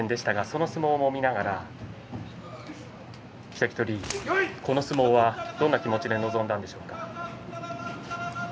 その相撲を見ながら関取、この相撲はどんな気持ちで臨みましたか？